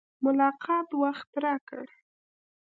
ملاقات وخت راکړ.